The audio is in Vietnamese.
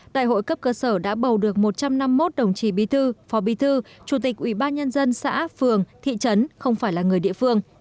đại hội cấp cơ sở đã bầu được một trăm năm mươi một đồng chí bí thư phó bí thư chủ tịch ủy ban nhân dân xã phường thị trấn không phải là người địa phương